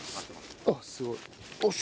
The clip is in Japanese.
あっすごい。